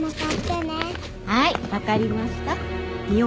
はいわかりました。